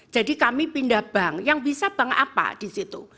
jadi kami pindah bank yang bisa bank apa di situ